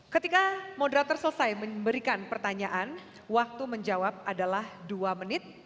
ketika moderator selesai memberikan pertanyaan waktu menjawab adalah dua menit